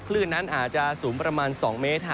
คลื่นนั้นอาจจะสูงประมาณ๒เมตร